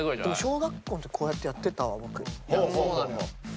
小学校のときこうやってやってたわ僕。